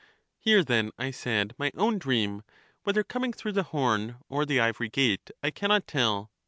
Hear, then, I said, my own dream ; whether coming through the horn or the ivory gate, I can not tell.